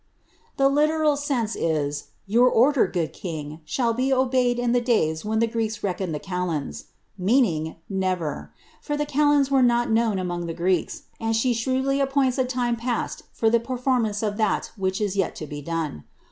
The literal sense is, " Tour order, good king, shall be obeyed in the days when (he Greeks reckoned by kalends," meaning never ; for ka lends were not known among the Greeks, and she shrewdly appoints a time past for the performance of that which is yet to be done.